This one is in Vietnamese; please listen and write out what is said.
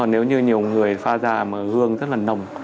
nếu như nhiều người pha ra mà hương rất là nổi